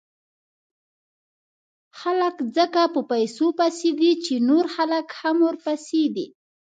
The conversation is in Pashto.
خلک ځکه په پیسو پسې دي، چې نور خلک هم ورپسې دي.